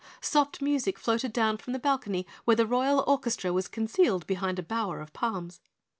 Soft music floated down from the balcony where the Royal orchestra was concealed behind a bower of palms.